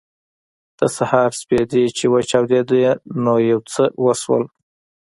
د سهار سپېدې چې وچاودېدې نو یو څه وشول